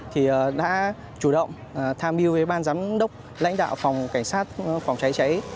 thì đã chủ động tham mưu với ban giám đốc lãnh đạo phòng cảnh sát phòng cháy cháy